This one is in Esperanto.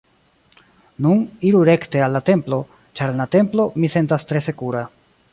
Nun, iru rekte al la templo, ĉar en la templo, mi sentas tre sekura.